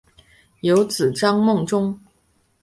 有子张孟中。